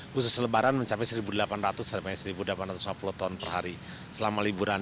khusus lebaran mencapai satu delapan ratus sampai satu delapan ratus lima puluh ton per hari selama liburan